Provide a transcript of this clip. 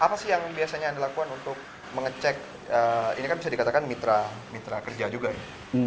apa sih yang biasanya anda lakukan untuk mengecek ini kan bisa dikatakan mitra mitra kerja juga ya